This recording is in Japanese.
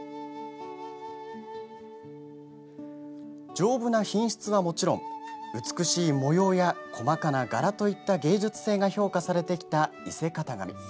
丈夫な品質はもちろん美しい模様や細かな柄といった芸術性が評価されてきた伊勢型紙。